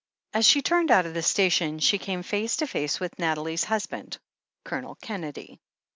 As she turned out of the station, she came face to face with Nathalie's husband. Colonel Kennedy.